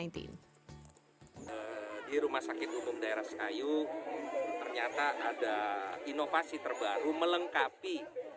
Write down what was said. di rumah sakit umum daerah sekayu ternyata ada inovasi terbaru melengkapi